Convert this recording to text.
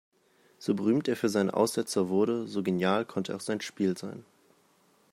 So berühmt er für seine Aussetzer wurde, so genial konnte auch sein Spiel sein.